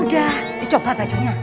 udah dicoba bajunya